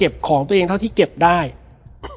แล้วสักครั้งหนึ่งเขารู้สึกอึดอัดที่หน้าอก